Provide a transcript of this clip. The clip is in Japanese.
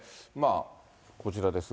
こちらですが。